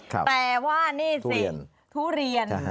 แต่ว่านี่สิทุเรียน